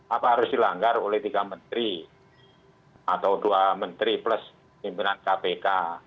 apa harus dilanggar oleh tiga menteri atau dua menteri plus pimpinan kpk